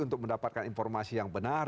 untuk mendapatkan informasi yang benar